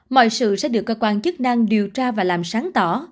mọi sự sẽ được cơ quan chức năng điều tra và làm sáng tỏ